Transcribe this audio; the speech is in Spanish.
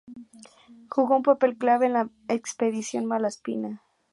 Jugó un papel clave en la Expedición Malaspina.